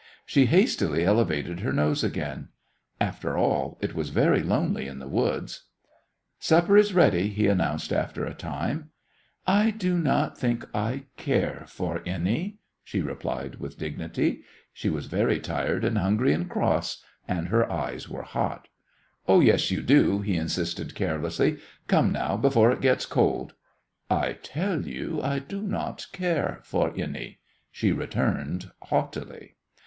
She hastily elevated her nose again. After all it was very lonely in the woods. "Supper is ready," he announced after a time. "I do not think I care for any," she replied, with dignity. She was very tired and hungry and cross, and her eyes were hot. "Oh, yes you do," he insisted, carelessly. "Come now, before it gets cold." "I tell you I do not care for any," she returned, haughtily.